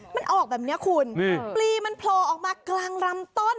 มันออกแบบนี้คุณปลีมันโผล่ออกมากลางลำต้น